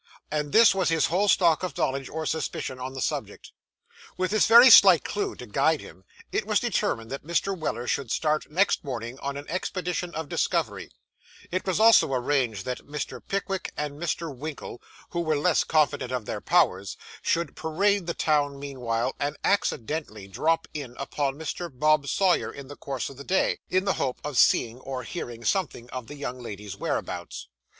And this was his whole stock of knowledge or suspicion on the subject. With this very slight clue to guide him, it was determined that Mr. Weller should start next morning on an expedition of discovery; it was also arranged that Mr. Pickwick and Mr. Winkle, who were less confident of their powers, should parade the town meanwhile, and accidentally drop in upon Mr. Bob Sawyer in the course of the day, in the hope of seeing or hearing something of the young lady's whereabouts.